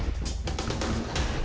ya ampun aku mau ke rumah rizky